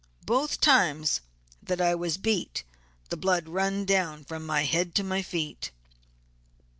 Both times that I was beat the blood run down from my head to my feet.